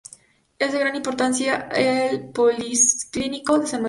Es de gran importancia el Policlínico San Matteo.